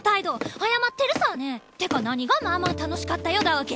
謝ってるさね！ってか何が「まあまあ楽しかったよ」だわけ？